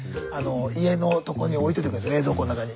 家のとこに置いといてくれるんです冷蔵庫の中に。